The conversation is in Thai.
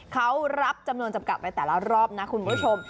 เขารับจำนวนจำกัดไปแต่ละรอบนะคุณผู้ชม